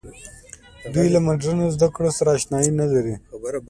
دوی له مډرنو زده کړو سره اشنايي نه لري.